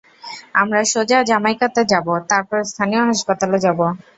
আমরা সোজা জ্যামাইকাতে যাবো, তারপর স্থানীয় হাসপাতালে যাবো।